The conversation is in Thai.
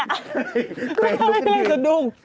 ไม่ได้ลุกขึ้นยืนแต่ดุ้ง